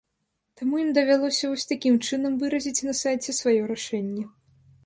Таму ім давялося вось такім чынам выразіць на сайце сваё рашэнне.